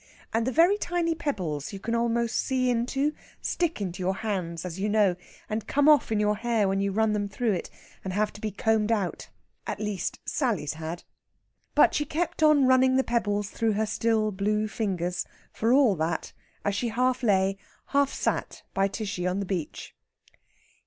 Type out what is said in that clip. And the very tiny pebbles you can almost see into stick to your hands, as you know, and come off in your hair when you run them through it, and have to be combed out. At least, Sally's had. But she kept on running the pebbles through her still blue fingers for all that as she half lay, half sat by Tishy on the beach.